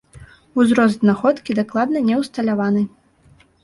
Узрост знаходкі дакладна не ўсталяваны.